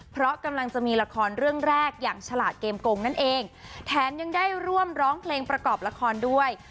เพราะกำลังจะมีละครเรื่องแรกอย่างฉลาดเกมกงนั่นเองแถมยังได้ร่วมร้องเพลงประกอบละครด้วย